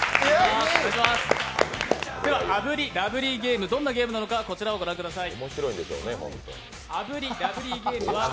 炙りラブリーゲーム、どんなゲームなのかこちらご覧ください。